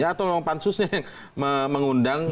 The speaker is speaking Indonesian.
atau memang pansusnya yang mengundang